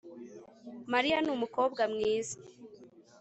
mariya numukobwa mwiza